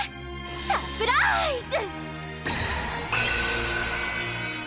サプラーイズ！